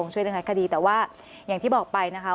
ช่วยเรื่องรัฐคดีแต่ว่าอย่างที่บอกไปนะคะ